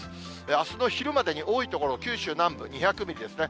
あすの昼までに多い所、九州南部２００ミリですね。